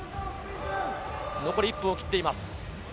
残り１分を切っています。